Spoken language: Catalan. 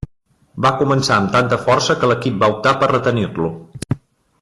Va començar amb tanta força que l'equip va optar per retenir-lo.